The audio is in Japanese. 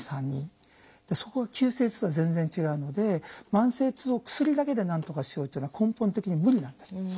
そこが急性痛とは全然違うので慢性痛を薬だけでなんとかしようっていうのは根本的に無理なんです。